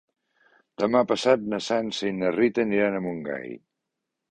Demà passat na Sança i na Rita aniran a Montgai.